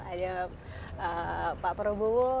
ada pak prabowo